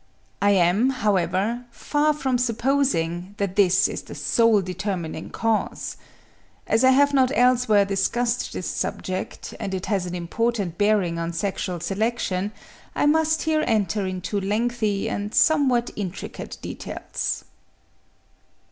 I am, however, far from supposing that this is the sole determining cause. As I have not elsewhere discussed this subject, and it has an important bearing on sexual selection, I must here enter into lengthy and somewhat intricate details.